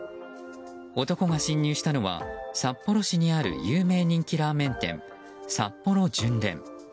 男が侵入したのは札幌市にある有名人気ラーメン店さっぽろ純連。